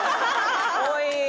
おい！